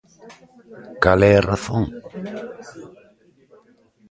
¿Cal é a razón?